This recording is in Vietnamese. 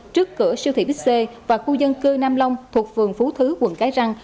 trước cửa siêu thị bích xê và khu dân cư nam long thuộc phường phú thứ quận cái răng